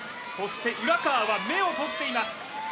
そして浦川は目を閉じています